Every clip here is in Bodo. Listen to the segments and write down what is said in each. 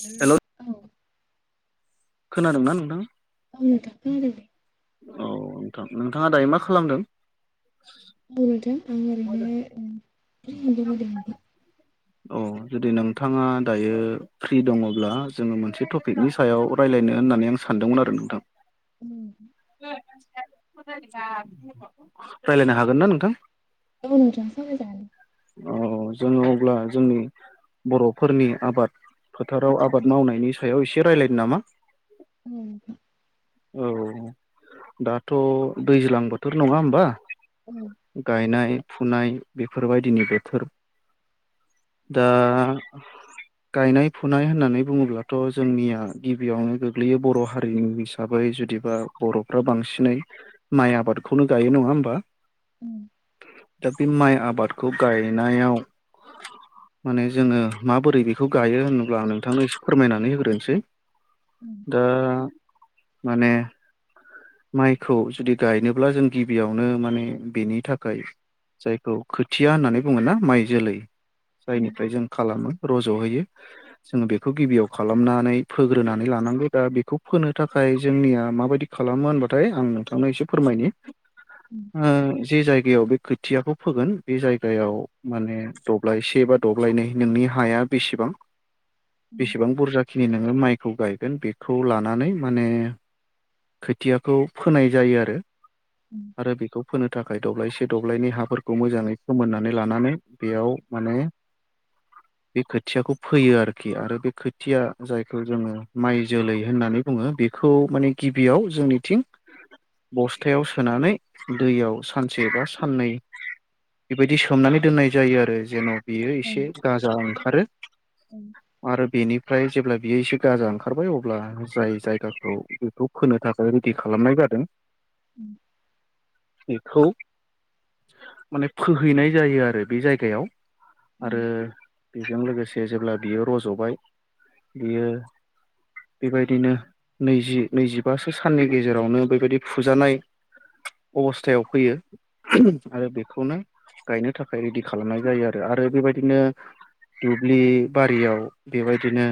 उम हेल' औ खोनादोंना नोंथां? औ नोंथां खोनादोंदे। औ नोंथां नोंथाङा दायो मा खालामदों? बुरुदों आं ओरैनो [unintelligible] औ जुदि नोंथाङा दायो फ्रि दङब्ला जोङो मोनसे टपिकनि सायाव रायलाय नो होननानै आं सानदोंमोन आरो नोंथां। [unintelligible] ना नोंथां? औ [unintelligible] औ जोङो अब्ला जोंनि बर'फोरनि आबाद फोथाराव आबाद मावनायनि सायाव इसे रायलायनो नामा? ओम हो औ दाथ' दैज्लां बोथोर नङा होमबा? औ गायनाय फुनाय बेफोरबायदिनि बोथोर। दा गायनाय फुनाय होननानै बुङोब्लाथ जोंनिया गिबियावनो गो गोग्लैयो बर हारिनि हिसाबै जुदिबा बरफ्रा बांसिनै माइ आबादखौनो गायो नङा नङा होमबा [inaudible] दा बे माइ आबादखौ गायनायाव माने जोङो माबोरै बेखौ गायो होनोब्ला आं नोंथांनो इसे फोरमायनानै होग्रोनोसै औ दा माने माइखौ जुदि गायनोब्ला जों गिबियावनो माने बेनि थाखाय जायखौ खोथिया होननानै बुङोना माइ जोलै औ जायनिफ्राय जों खालामो रज'होयो औ जोङो बेखौ गिबियाव खालाम खालामनानै फोग्रोनानै लानांगौ दा बेखौ फोनो थाखाय जोंनिया माबायदि खालामो होनबाथाय आं नोंथां ऐसे फोरमायदी औ ओ जि जाय गिबियाव बे खोथियाखौ फोगोन बे जायगायाव माने दब्लायसे एबा दब्लायनै नोंनि हाया बेसेबां औ बेसेबां बुरजा खिनिनो माइ खौ गायगोन बेखौ लानानै माने खोथियाखौ फोनाय जायो आरो आरो बेखौ फोनो थाख आखाइ दब्लायसे दब्लायनि हाफोरखौ मोजाङै फोमोननानै लानानै बेयाव माने- बे खोथियाखौ फोयो आरोखि आरो बे खोथिया जायखौ जोङो माइ जोलै होननानै बुङो बेखौ माने गिबियाव जोंनिथिं बस्थायाव सोनानै दैयाव सानसे बा साननै बेबायदि सोमनानै दोननाय जायो आरो जेन' बेयो औ इसे गाजा ओंखारो आरो बेनि ओमफ्राय जेब्ला बियो इसे गाजा ओंखारबाय अब्ला जाय जायगाखौ बेखौ खोनो थाखाय रेडि खालामनायबाय बोन [inaudible] बेखौ माने फोहैनाय जायो आरो बे जायगायाव औ आरो जों लोगोसे जेब्ला बियो रजबाय बियो बेबायदिनो नैजि नैजिबासो साननि गेजेरावनो बेबायदि फुजानाय अबस्थायाव फैयो [unintelligible] आरो बेखौनो गायनो थाखाय रेडि खालामनाय जायो आरो आरो बेबायदिनो दुब्लि बारियाव बेबायदिनो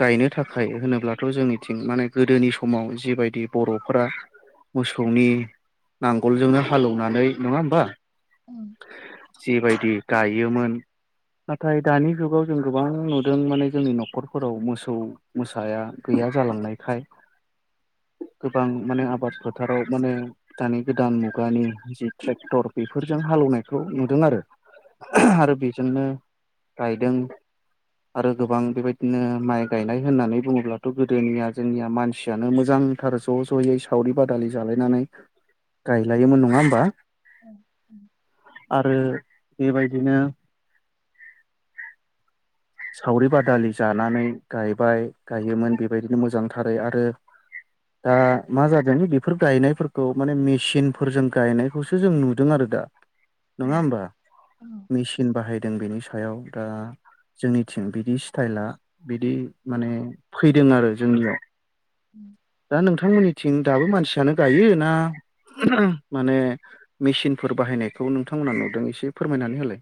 गायनो थाखाय होनोब्लाथ जोंनिथिं माने गोदोनि समाव जिबायदि बरफोरा मोसौनि नांगोलजोंनो हालौवनानै नङा होमबा? औ जिबायदि गायोमोन। नाथाय दानि जुगाव जों गोबां नुदों माने जोंनि नखरफोराव मोसौ मोसा या गैया जालांनायखाय गोबां माने आबाद फोथाराव माने दानि गोदान मुगानि जि ट्रेक्टर बेफोरजों हा हालेवनायखौ नुदों आरो [unintelligible] आरो बेजोंनो गायदों आरो गोबां बेबायदिनो माइ गायनाय होननानै बुङोब्लाथ गोदोनिया जोंनिया मानसियानो मोजां मोजांथार ज जयै सावरि बादालि जालायनानै गायलायोमोन नङा होमबा? [inaudible] आरो बेबायदिनो [inaudible] [unintelligible] सावरि -बादालि जानानै गायबाय गायोमोन। बेबायदिनो मोजांथारै आरो दा मा जादों बेफोर गायनायफोरखौ माने मेसिनफोरजों गायनायखौसो जों नुदों आरो दा नङा होमबा मेचिन बाहायदों। बेनि सायाव दा जोंनिथिं बिदि स्टाइला बिदि माने फैदों आरो जोंनिया दा नोंथांमोननिथिं दाबो मानसियानो गायो ना ओहो माने मेसिनफोर बाहायनायखौ नोंथांमोनहा नुदों एसे फोरमायनानै होलाय।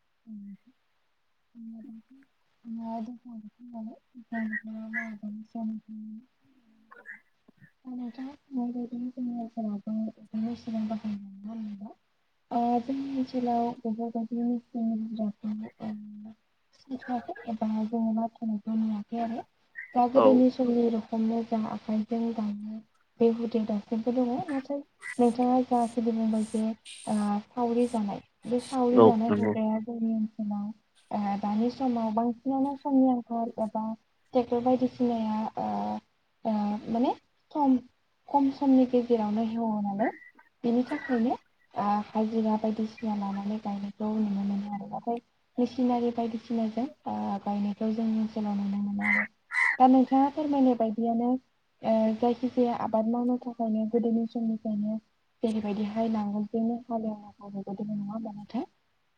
[unintelligible] [unintelligible] [unintelligible] ओ जोंनि ओनसोलाव बेफोरबायदि [unintelligible] [unintelligible] एबा [unintelligible] मोनाखै आरो दा औ गोदोनि समनि रखम मोजां आखाइ जोंङो दायो बे हुदा दासिमबो दङ। नाथाय नोंथाङा जा बुंबाय जे ओ सावरि जानाय बे सावरि औ जानाय नंगौ हुदाया जोंनि ओनसोलाव [inaudible] ओ दानि समाव बांसिनानो समनि आंखाल एबा ट्रेक्टर बायदिसिनाया ओ ओ माने सम खम समनि गेजेरावनो एवोनालाय बेनि थाखायनो ओ हाजिरा बायदिसिना लानानै गायनायखौ नुनो मोनो आरो नाथाय मेसिनारि बायदिसिनाजों बायनायखौ जोंनि ओनसोलाव नुनो मोनो आरो दा नोंथांङा फोरमायनाय बायदियानो ओ जायखि -जाया आबाद मावनो थाखायनो गोदोनि समनिफ्रायनो जेरैबायदिहाय नांगोल जोंनो हालेवनांगौ बेबायदि नंङा होमबा नोंथां?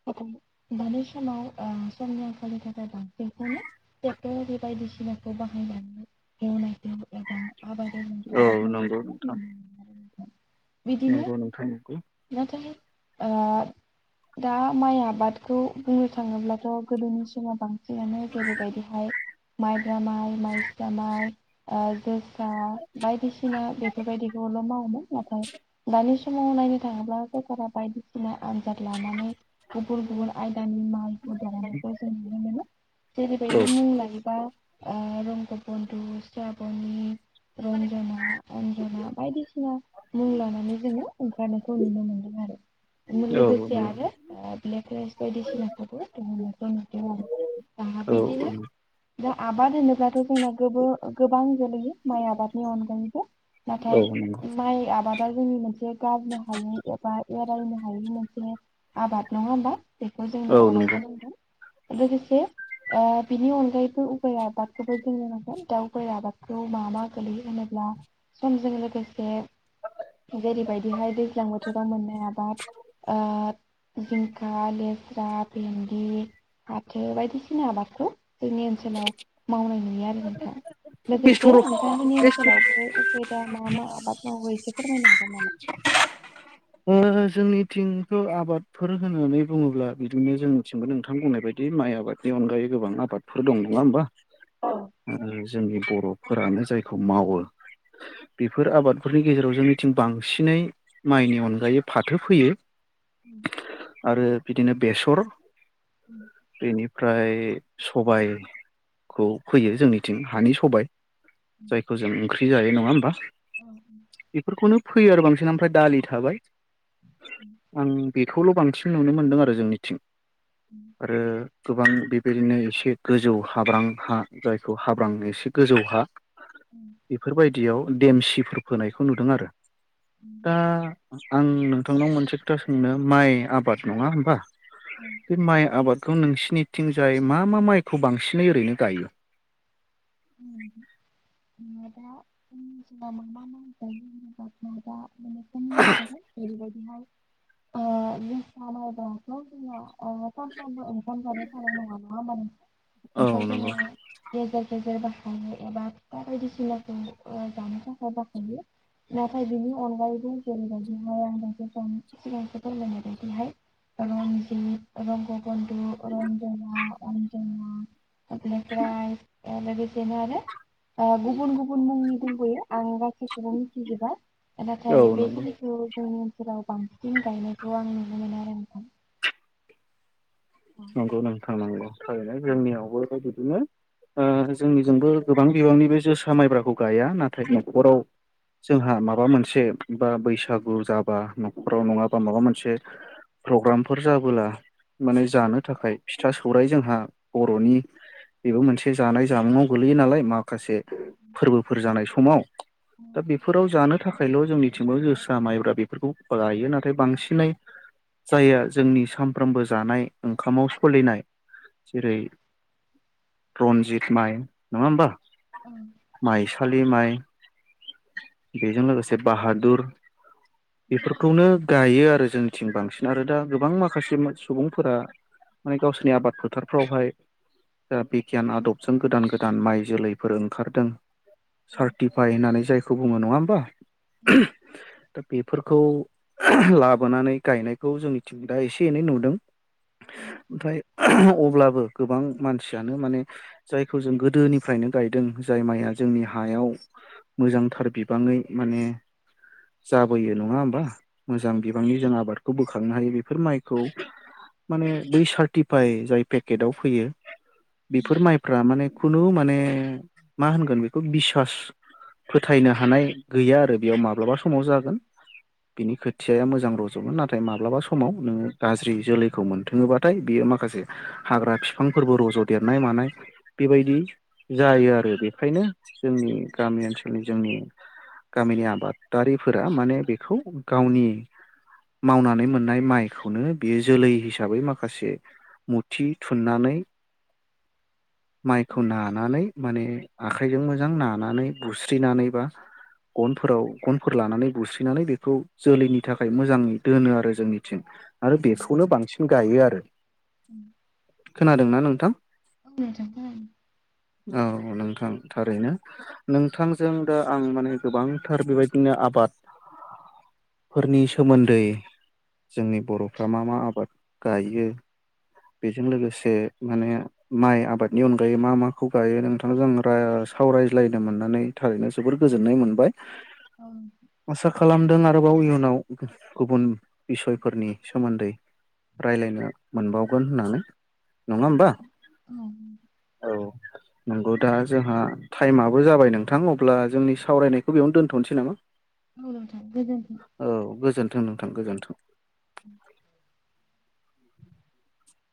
नाथाय दानि समाव ओ समनि आंखालनि थाखाय बांसिनखौनो ट्रेक्टर बे बायदिसिनाखौ बाहायनानै एवनायखौ एबा आबाद एवनाय औ आबाद नंगौ मावनायखौ नुनो नोंथां। मोनो आरो नोंथां बिदिनो नंगौ नोंथां नंगौ नाथाय ओ दा माइ आबादखौ बुंनो थाङोब्लाथ' गोदोनि समाव बांसिन [unintelligible] जेरैबायदिहाय माइब्रा माइ, माइस्रा माइ, जोसा दा बायदिसिना बेफोरबायदिखौल' मावोमोन नाथाय दानि समाव नायनो थाङोब्ला सरकारा बायदिसिना आनजाद लानानै गुबुन -गुबुन आयदानि माइफोर [unintelligible] जों नुनो मोनो। औ जेरैबायदि मुं लायोबा ओ रंग बन्दु स्राबनि रन्जना, अन्जना बायदिसिना मुं लानानै जोङो ओंखारनायखौ नुनो मोनदों। आरो [inaudible] औ लोगोसे नंगौ आरो ओ ब्लेक राइस बायदिसिनाखौबो दिहुननायखौ नुदों आरो। दा औ बेदिनो दा आबाद होनोब्लाथ' जोंना गोबो -गोबां गोलैयो माइ आबादनि अनगायैबो नाथाय औ नंगौ माइ आबाद दा जोंनि मोनसे गारनो हायै एबा एरायनो हायि मोनसे आबाद नंङा होमबा? बेखौ जोंनो औ नंगौ अरायबो नांगौ। लोगोसे ओ बिनि अनगायैबो उफेरा आबादखौबो जोंनो नांगोन दाउ [unintelligible] आबादखौ मा- मा गोलैयो होनोब्ला समजों लोगोसे जेरैबायदिहाय दैज्लां बोथोराव मोननाय आबाद ओ जिंखा, लेस्रा, भेन्दि, फाथो बायदिसिना आबादखौ जोंनि ओनसोलाव मावनाय नुयो आरो नोंथां। लोगोसे नोंथांमोननि ओनसोलावबो उफेरा मा- मा आबाद मावो एसे फोरमायनो हागोन। नामा? [unintelligible] जोंनिथिंखौ आबादफोर होननानै बुंङोब्ला बिदिनो जोंनिथिंबो नोंथां बुंनाय बायदि माइ आबादनि अनगायै गोबां आबादफोर दं नंङा होमबा? औ जोंनि बर' फोरानो जायखौ मावो बेफोर आबादफोरनि गेजेराव जोंनिथिं बांसिनै माइनि अनगायै फाथो फोयो। उम। आरो बिदिनो बेसर बेनि फ्राय सबायखौ फोयो जोंनिथिं हानि सबाय जायखौ जों ओंख्रि जायो नंङा होमबा। औ औ। बेफोरखौनो फैयो आरो बांसिन ओमफ्राय दालि थाबाय ओं बि बेखौल' बांसिन नुनो मोन्दों आरो जोंनिथिं आरो। गोबां बेबायदिनो एसे गोजौ हाब्रां हा जायखौ हाब्रां एसे गोजौ हा। बेफोरबायदियाव देमसिफोर फोनायखौ नुदों आरो दा। आं नोंथांनाव मोनसे खोथा सोंनो माइ आबाद नङा होमबा बे माइ आबाद खौ नोंसिनिथिंजाय मा मा माइखौ बांसिनै ओरैनो गायो? [inaudible] माने खम [inaudible] ओ जोसा मायब्रा [unintelligible] ओंखाम जानो थानाय नङा नङा होमबा नों बेखौ औ नंगौ जोङो गेज। [unintelligible] एबा फा बायदिसिना जानो [unintelligible] नाथाय बिनि अनगायैबो जेरैबायदिहाय आं ज सिगांसो फोरमायनाय बायदिहाय रनजित रग रजना अनजना [unintelligible] बेनो आरो गुबुन गुबुन मुंनि दंबोयो आं गासैखौबो मिथिजोबा औ नाथाय बे नंगौ खिनिखौ जोंनि ओनसोलाव बांसिन गायनायखौ आं नुनो मोनो आरो नोंथां! औ नंगौ नोंथां नंगौ थारैनो जोंनियावबो बिदिनो। ओ जोंनिजोंबो गोबां बिबांनि बे जोसा माइब्राखौ गाया नाथाय न'खराव। जोंहा माबा मोनसे बा बैसागु जाब। बा नखराव नङाबा माबा मोनसे प्रग्रामफोर जाबोला माने जानो। ओफ्राय फिथा सौरायाइ जोंहा बर'नि बेबो मोनसे जानाय जामुंआव गोलैयो नालाय म माखासे फोरबोफोर जानाय समाव दा बेफोराव जानो थाखाय। फ्रायल' जोंनिथिंबो जोसारा माइब्रा बेफोरखौ गायो नाथाय बांसिनै जाय जोंनि सामफ्रोमबो जानाय ओंखामाव सलिनाय जेरै रनजित माइ नङा होमबा? औ। फालि माइ बेजों लोगोसे बाहादुर बेफोरखौनो गायो आरो! जोंनिथिं बांसिन आरो दा गोबां माखासे सुबुंफोरा। माने गावसोरनि आबाद फोथारफ्रावहाय जा बिगियान आदबजों गोदान गोदान माइ जोलैफोर ओंखारदों सार्टिफाइ होननानै जायखौ बुङो नङा होमबा। [inaudible] दा बेफोरखौ लाबोनानै गायनायखौ जोंनि टिं दा एसे एनै नुदों। ओमफ्राय अब्लाबो गोबां मानसियानो माने जायखौ जों गोदोनिफ्रायनो गायदों जाय माइया जोंनि हायाव मोजांथार बिबाङै माने जाबोयो नङा होमबा मोजां बिबांनि जों आबादखौ बोखांनो हायो बेफोर माइखौ माने ब सार्टिफाय जाय पेकेटआव फैयो बेफोर माइफ्रा माने खुनु माने मा होनगोन बेखौ बिसास फोथायनो हानाय गैया आरो बेयाव माब्लाबा समाव जागोन बिनि खोथियाया मोजां रज'गोन नाथाय माब्लाबा समाव नोङो गाज्रि जोलै खौ मोनथोङोबाथाय बियो माखासे हाग्रा बिफांफोरबो रज' देरनाय मानाय बेबायदि जायो आरो बेखायनो जोंनि गामि ओनसोलनि जोंनि गामिनि आबादारिफोरा माने बेखौ गावनि मावनानै मोननाय माइखौनो बियो जोलै हिसाबै माखासे मुथि थुननानै माइखौ नानानै माने आखाइजों मोजां नानानै बुस्रिनानैबा गनफोराव गनफोर लानानै बुस्रिनानै बेखौ जोलैनि थाखाय मोजाङै दोनो आरो जोंनिथिं आरो बेखौनो बांसिन गायो आरो [inaudible] खोनादों ना नोंथां औ नोंथां खोनादों औ नों नोंथां थारैनो नोंथांजों दा आं माने गोबांथार बेबायदिनो आबाद फोरनि सोमोन्दै जोंनि बर'फ्रा मा मा आबाद गाइयो बेजों लोगोसे माने माइ आबादनि अनगायै मा माखौ गायो नोंथां जों रा सावरायज्लायनो मोननानै थारैनो जोबोर गोजोननाय मोनबाय औ आसा खालामदों आ आरोबाव इयुनाव गुबुन बिसयफोरनि सोमोन्दै रायलायनो मोनबाव गोन होननानै नङा होमबा औ औ नंगौ दा जोंहा टाइमाबो जाबाय नोंथां अब्ला जोंनि सावरायनायखौ बेयावनो दोनथ'नोसै नामा औ नोंथां गोजोनथों थों नोंथां गोजोन्थों। [inaudible]